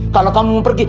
kalau kamu mau pergi